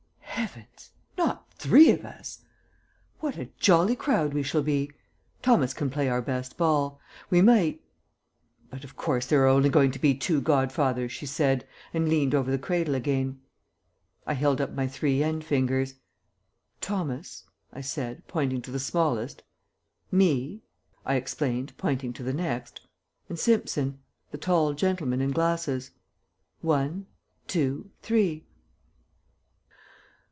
"Heavens! Not three of us? What a jolly crowd we shall be. Thomas can play our best ball. We might " "But of course there are only going to be two godfathers," she said, and leant over the cradle again. I held up my three end fingers. "Thomas," I said, pointing to the smallest, "me," I explained, pointing to the next, "and Simpson, the tall gentleman in glasses. One, two, three."